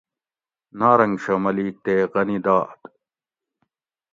نارنگ شاہ ملیک تے غنی داد